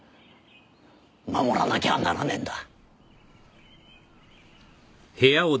守らなきゃならねえんだ。